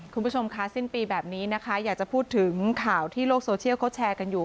คุณผู้ชมค่ะสิ้นปีแบบนี้นะคะอยากจะพูดถึงข่าวที่โลกโซเชียลเขาแชร์กันอยู่